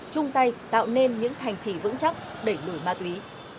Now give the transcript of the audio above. chung tay tạo nên những thành trì vững chắc đẩy lùi ma túy